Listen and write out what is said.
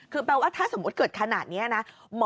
คือแปลว่าถ้าสมมุติเกิดขนาดนี้นะ